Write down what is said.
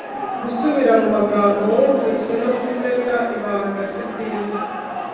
gusubira mu magambo wumvise no kumena ibanga sibyiza